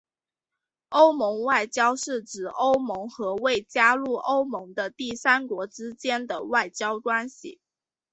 欧盟外交是指欧盟和未加入欧盟的第三国之间的外交关系。